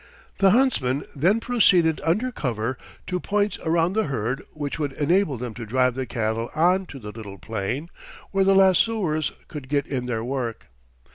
The huntsmen then proceeded under cover to points around the herd which would enable them to drive the cattle on to the little plain where the lassoers could get in their work.